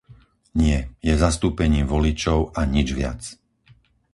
Nie, je zastúpením voličov a nič viac.